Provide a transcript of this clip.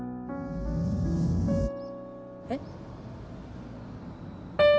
えっ？